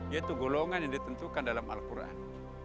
yaitu golongan yang ditentukan dalam al quran